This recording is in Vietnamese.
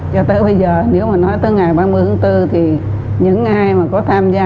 cho tới bây giờ nếu mà nói tới ngày ba mươi tháng bốn thì những ai mà có tham gia